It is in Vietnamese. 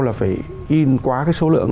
là phải in quá cái số lượng